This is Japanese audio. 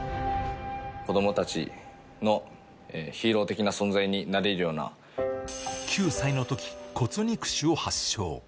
子どもたちのヒーロー的な存９歳のとき、骨肉腫を発症。